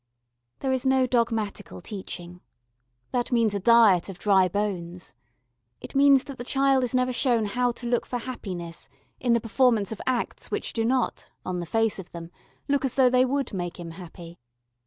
There is no dogmatical teaching. That means a diet of dry bones. It means that the child is never shown how to look for happiness in the performance of acts which do not, on the face of them, look as though they would make him happy.